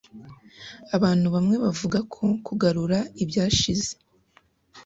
Abantu bamwe bavuga ko kugarura ibyashize